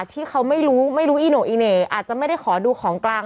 ที่เขาไม่รู้ไม่รู้อีโน่อีเหน่อาจจะไม่ได้ขอดูของกลาง